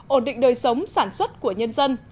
ổn định đời sống sản xuất của nhân dân